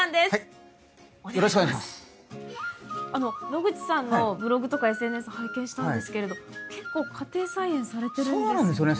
野口さんのブログとかＳＮＳ拝見したんですけれど結構家庭菜園されてるんですね。